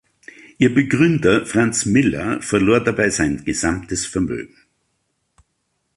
Ihr Begründer Franz Miller verlor dabei sein gesamtes Vermögen.